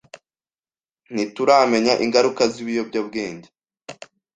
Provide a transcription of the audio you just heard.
Ntituramenya ingaruka zibiyobyabwenge.